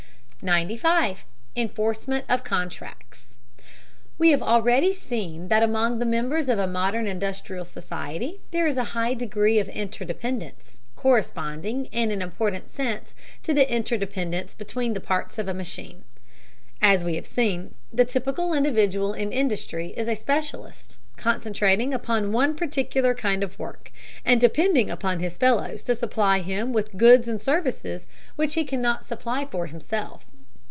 95. ENFORCEMENT OF CONTRACTS. We have already seen that among the members of a modern industrial society there is a high degree of interdependence, corresponding, in an important sense, to the interdependence between the parts of a machine. As we have seen, the typical individual in industry is a specialist, concentrating upon one particular kind of work, and depending upon his fellows to supply him with goods and services which he cannot supply for himself.